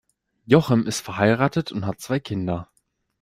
Jochem ist verheiratet und hat zwei Kinder.